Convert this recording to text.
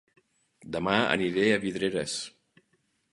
Dema aniré a Vidreres